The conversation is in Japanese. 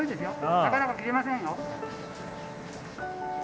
なかなか切れませんよ。